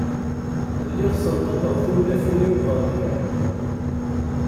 Lliɣ ssenṭaḍeɣ tiwlafin-iw ɣer lḥiḍ.